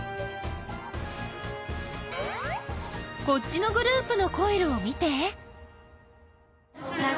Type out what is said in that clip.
こっちのグループのコイルを見て。